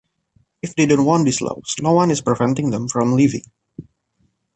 If they don't want these laws no one is preventing them from leaving.